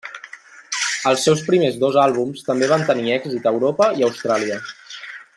Els seus primers dos àlbums també van tenir èxit a Europa i a Austràlia.